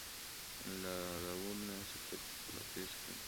En la laguna se practica la pesca.